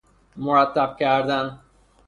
مرتب کردن